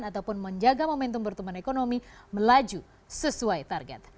ataupun menjaga momentum pertumbuhan ekonomi melaju sesuai target